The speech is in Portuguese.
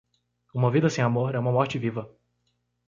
Uma vida sem amor é uma morte viva.